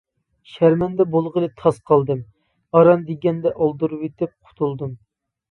شەرمەندە بولغىلى تاس قالدىم، ئاران دېگەندە ئالدۇرۇۋېتىپ قۇتۇلدۇم.